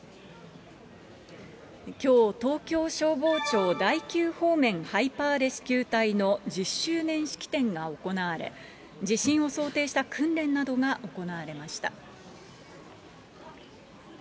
きょう、東京消防庁第９方面ハイパーレスキュー隊の１０周年式典が行われ、地震を想定した訓練などが行われました。